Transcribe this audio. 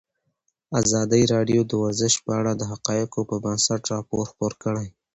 ازادي راډیو د ورزش په اړه د حقایقو پر بنسټ راپور خپور کړی.